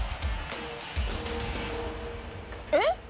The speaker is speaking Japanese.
えっ？